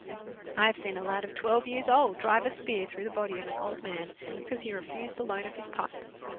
I have seen a lad of twelve years old drive a spear through the body of an old man because he refused the loan of his pipe.